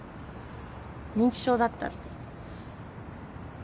認知症だったって。